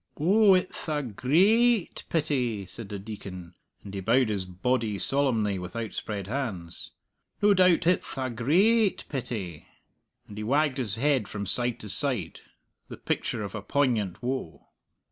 "Oh, it'th a grai ait pity," said the Deacon, and he bowed his body solemnly with outspread hands. "No doubt it'th a grai ait pity!" and he wagged his head from side to side, the picture of a poignant woe.